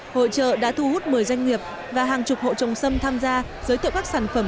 hội trợ đã thu hút một mươi doanh nghiệp và hàng chục hộ trồng sâm tham gia giới thiệu các sản phẩm